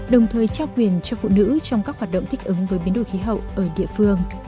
đồng thời trao quyền cho phụ nữ trong các hoạt động thích ứng với biến đổi khí hậu ở địa phương